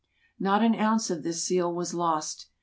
Not an ounce of this seal was lost.